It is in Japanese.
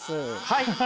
はい！